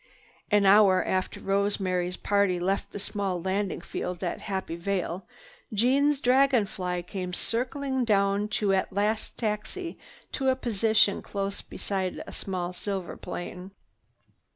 An hour after Rosemary's party left the small landing field at Happy Vale, Jeanne's dragon fly came circling down to at last taxi to a position close beside a small silver plane.